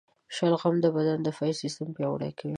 شلغم د بدن دفاعي سیستم پیاوړی کوي.